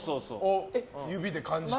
指で感じて？